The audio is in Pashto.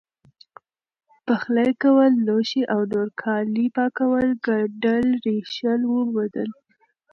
پخلی کول لوښي او نور کالي پاکول، ګنډل، رېشل، ووبدل،